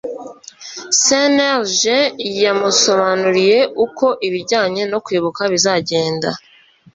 cnlg yamusobanuriye uko ibijyanye no kwibuka bizagenda